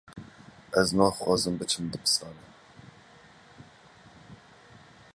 Ez naxwazim biçim dibistanê.